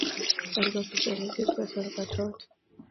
M block is where music lessons are taught.